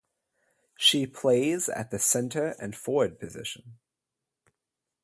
She plays at the Centre and Forward position.